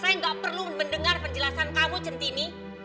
saya enggak perlu mendengar perjelasan kamu centini